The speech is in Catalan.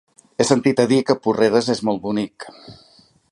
He sentit a dir que Porreres és molt bonic.